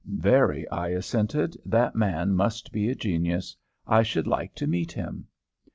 "Very," I assented. "That man must be a genius; I should like to meet him."